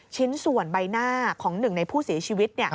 ชิ้นส่วนใบหน้าของหนึ่งในผู้เสียชีวิต